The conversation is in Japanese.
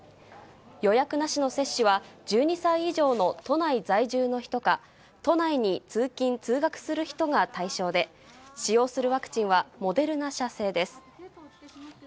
予約なしの接種は、１２歳以上の都内在住の人か、都内に通勤・通学する人が対象で、使用するワクチンはモデルナ社製です。